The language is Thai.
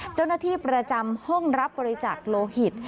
เจ้าหน้าที่ประจำห้องรับบริจาคโลหิต